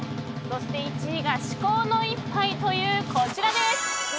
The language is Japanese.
そして１位が至高の一杯というこちらです。